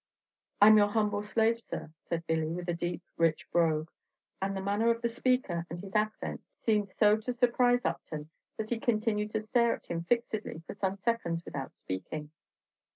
"I'm your humble slave, sir," said Billy, with a deep, rich brogue; and the manner of the speaker, and his accent, seemed so to surprise Upton that he continued to stare at him fixedly for some seconds without speaking.